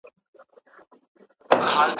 ماشوم اوس لیکل کوي.